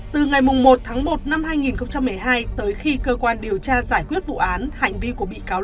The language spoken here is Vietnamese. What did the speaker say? từ ngày một tháng một năm hai nghìn một mươi hai tới khi cơ quan điều tra giải quyết vụ án hành vi của bị cáo